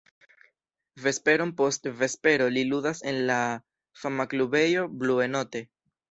Vesperon post vespero li ludas en la fama klubejo "Blue Note".